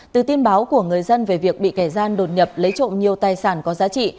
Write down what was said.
từ tin báo của người dân về việc bị kẻ gian đột nhập lấy trộm nhiều tài sản có giá trị